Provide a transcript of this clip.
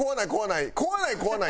「怖ない怖ない」